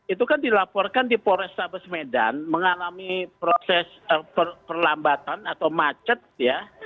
itu kan dilaporkan di polrestabes medan mengalami proses perlambatan atau macet ya